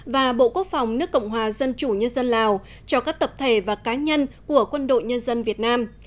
và bộ quốc phòng nước cộng hòa dân chủ nhân dân lào cho các tập thể và cá nhân của quân đội nhân dân việt nam